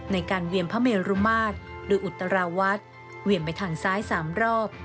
ในการเวียนพระเมรุมาตรหรืออุตราวัตรเวียนไปทางซ้าย๓รอบ